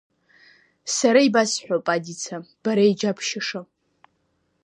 Сара ибасҳәап, Адица, бара иџьабшьаша.